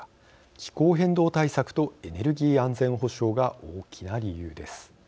気候変動対策とエネルギー安全保障が大きな理由です。